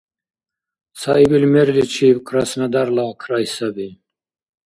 Цаибил мерличиб Краснодарла край саби.